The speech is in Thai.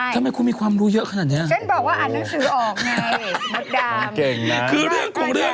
ผมไม่ยุ่งอีกแล้วนะเรื่องนี้